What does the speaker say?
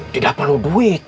tidak perlu duit